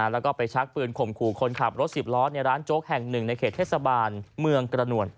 แล้วก็ไปชักปืนข่มขู่คนขับรถ๑๐ล้อในร้านโจ๊กแห่งหนึ่งในเขตเทศบาลเมืองกระนวล